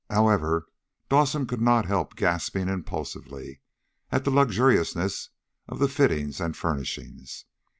However, Dawson could not help gasping impulsively at the luxuriousness of the fittings and furnishings.